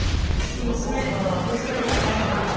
娘娘に買ってあげたの？